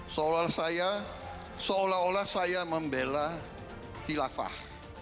seolah olah saya membela khilafah